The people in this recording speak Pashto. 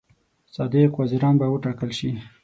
صادق وزیران به وټاکل شي.